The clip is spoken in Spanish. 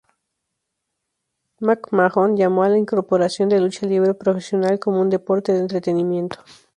McMahon llamó a la incorporación de Lucha libre profesional como un Deporte de Entretenimiento.